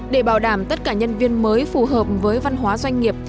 để bảo đảm tất cả nhân viên mới phù hợp với văn hóa doanh nghiệp